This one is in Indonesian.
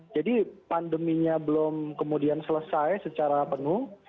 jadi pandeminya belum kemudian selesai secara penuh